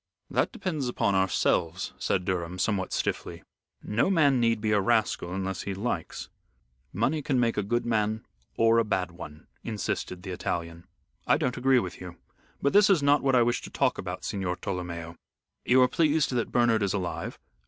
"That depends upon ourselves," said Durham, somewhat stiffly. "No man need be a rascal unless he likes." "Money can make a good man or a bad one," insisted the Italian. "I don't agree with you. But this is not what I wish to talk about, Signor Tolomeo. You are pleased that Bernard is alive."